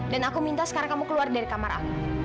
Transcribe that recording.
dan aku minta sekarang kamu keluar dari kamar aku